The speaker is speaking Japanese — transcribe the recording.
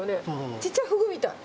ちっちゃいフグみたい。